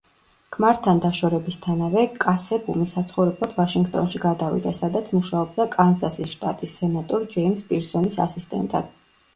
ქმართან დაშორებისთანავე, კასებუმი საცხოვრებლად ვაშინგტონში გადავიდა, სადაც მუშაობდა კანზასის შტატის სენატორ ჯეიმს პირსონის ასისტენტად.